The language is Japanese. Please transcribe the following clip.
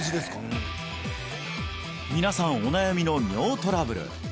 うん皆さんお悩みの尿トラブル